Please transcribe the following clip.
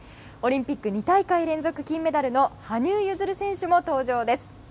オリンピック２大会連続金の羽生結弦選手も登場です。